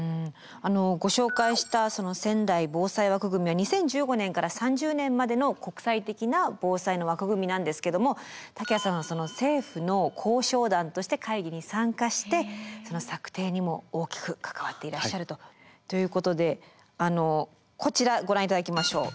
ご紹介した仙台防災枠組は２０１５年から３０年までの国際的な防災の枠組みなんですけども竹谷さんは政府の交渉団として会議に参加してその策定にも大きく関わっていらっしゃるということであのこちらご覧いただきましょう。